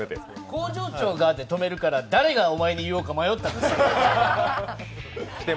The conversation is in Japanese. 工場長があって止めるから誰がお前に言うか迷ったって。